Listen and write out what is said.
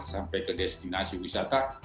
sampai ke destinasi wisata